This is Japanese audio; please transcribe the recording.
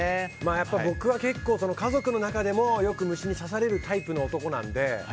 やっぱり僕は家族の中でもよく虫に刺されるタイプの男なので。